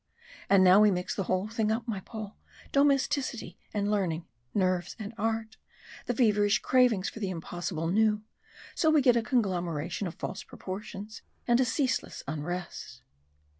And now we mix the whole thing up, my Paul domesticity and learning nerves and art, and feverish cravings for the impossible new so we get a conglomeration of false proportions, and a ceaseless unrest."